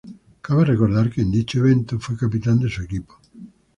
Cabe recordar que en dicho evento fue capitán de su equipo.